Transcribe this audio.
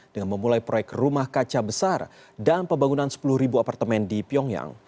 dengan memulai proyek rumah kaca besar dan pembangunan sepuluh apartemen di pyongyang